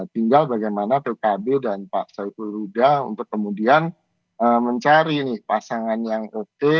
tinggal bagaimana pkb dan pak saiful huda untuk kemudian mencari nih pasangan yang oke